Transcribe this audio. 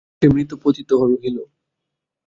সে মৃত পতিত রহিল।